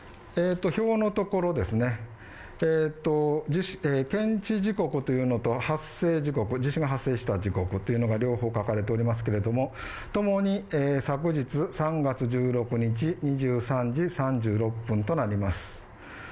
表のところですね、検知時刻というのと発生時刻が両方かかれておりますけれどもともに昨日３月１６日２３時３６分となります。